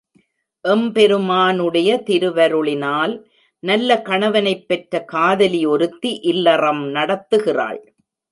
எம்பெருமானுடைய திருவருளினால் நல்ல கணவனைப் பெற்ற காதலி ஒருத்தி இல்லறம் நடத்துகிறாள்.